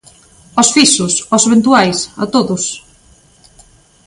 ¿Aos fixos?, ¿aos eventuais?, ¿a todos?